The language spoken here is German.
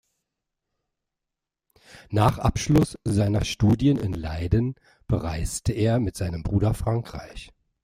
Nach Abschluss seiner Studien in Leiden bereiste er mit seinem Bruder Frankreich.